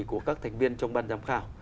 của các thành viên trong ban giám khảo